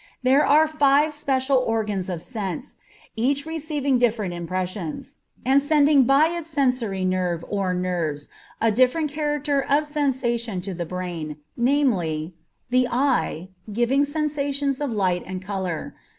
There are five special organs of sense, each receiving different impressions, and sending by its sensory nerve or nerves a different character of sensation to the brain, namely: The eye, giving sensations of light and color.